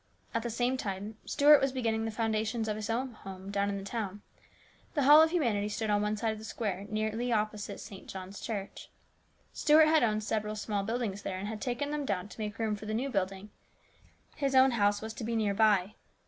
At the same time Stuart was beginning the founda tions of his own home down in the town. The Hall of Humanity stood on one side of the square nearly opposite St. John's Church. Stuart had owned several small buildings there and had taken them down to make room for the new building. His own house was to be near by.